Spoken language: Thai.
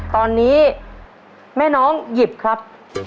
ตอนนี้แม่น้องหยิบครับ